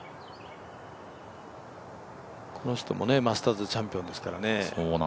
この人もマスターズチャンピオンですからね。